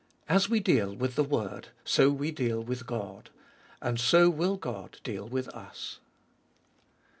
As we deal with the word, so we deal with God. And so will God deal with us.